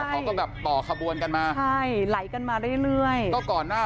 เขาก็แบบต่อขบวนกันมาใช่ไหลกันมาเรื่อยเรื่อยก็ก่อนหน้า